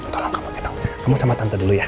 tolong kamu kamu sama tante dulu ya